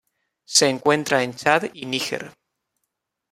Se encuentra en Chad y Níger.